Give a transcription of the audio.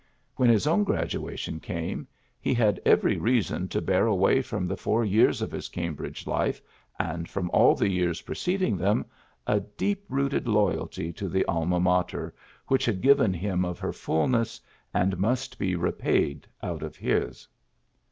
When his own graduation came, he had every reason to hear away from the four years of his Cambridge life and from all the years preceding them a deep rooted loyalty to the Alnia Mater which had given him of her fulness, and must be repaid out of his.